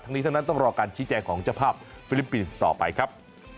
ทั้งนี้ทั้งนั้นต้องรอการชี้แจงของเจ้าภาพฟิลิปปินส์ต่อไปครับ